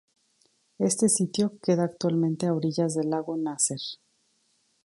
Este sitio queda actualmente a orillas del Lago Nasser.